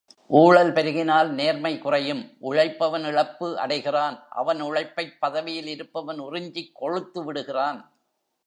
ஊழல் பெருகினால் நேர்மை குறையும் உழைப்பவன் இழப்பு அடைகிறான் அவன் உழைப்பைப் பதவியில் இருப்பவன் உறிஞ்சிக் கொழுத்து விடுகிறான்.